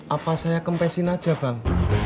apa saya kempesin aja bang